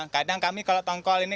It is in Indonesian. kadang kami kalau tongkol ini